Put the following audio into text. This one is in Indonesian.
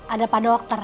ada pak dokter